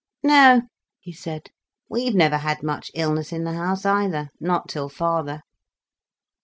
"No," he said, "we've never had much illness in the house, either—not till father."